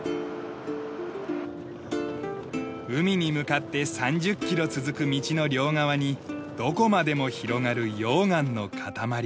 海に向かって３０キロ続く道の両側にどこまでも広がる溶岩の塊。